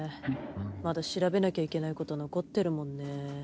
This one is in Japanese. まだ調べなきゃいけないこと残ってるもんね。